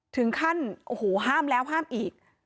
ถึงขั้นโอ้โหห้ามแล้วห้ามอีก